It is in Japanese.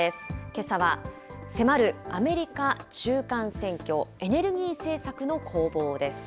けさは、迫るアメリカ中間選挙、エネルギー政策の攻防です。